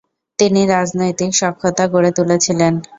তিনি রাজনৈতিক সখ্যতা গড়ে তুলেছিলেন।